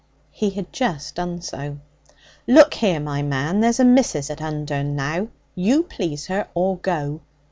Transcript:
He had just done so. 'Look here, my man, there's a missus at Undern now. You please her or go.